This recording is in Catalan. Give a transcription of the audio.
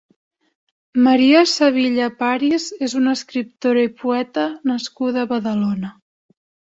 Maria Sevilla Paris és una escriptora i poeta nascuda a Badalona.